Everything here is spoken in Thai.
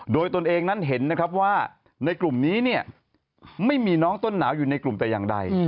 โดยตนเองนั้นเห็นนะครับว่าในกลุ่มนี้เนี่ยไม่มีน้องต้นหนาวอยู่ในกลุ่มแต่อย่างใด